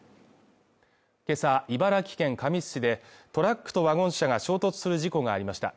今朝、茨城県神栖市でトラックとワゴン車が衝突する事故がありました。